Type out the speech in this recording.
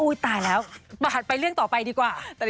ตายแล้วบาดไปเรื่องต่อไปดีกว่า